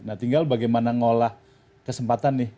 nah tinggal bagaimana ngolah kesempatan nih